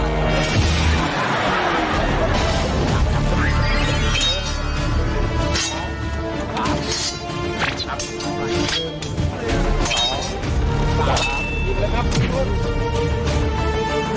พี่พุทธ